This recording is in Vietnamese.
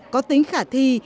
có tính khả năng